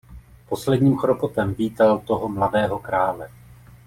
Posledním chropotem vítal toho mladého krále.